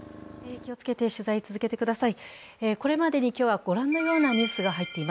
気をつけて取材を続けてください。